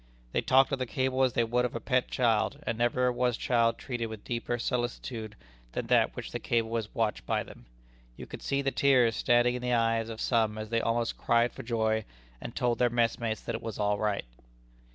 They talked of the cable as they would of a pet child, and never was child treated with deeper solicitude than that with which the cable is watched by them. You could see the tears standing in the eyes of some as they almost cried for joy, and told their messmates that it was all right."